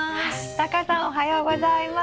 タカさんおはようございます。